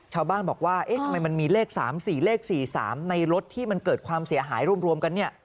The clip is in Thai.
ชาวบ้านบอกว่าทำไมมันมีเลข๓๔เลข๔๓ในรถที่มันเกิดความเสียหายรวมกัน